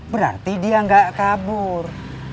berarti dia gak kabur